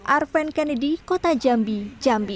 arven kennedy kota jambi jambi